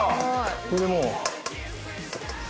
これでもう。